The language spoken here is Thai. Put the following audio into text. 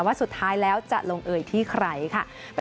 ว่าสุดท้ายแล้วจะลงเอ่ยที่ใครค่ะ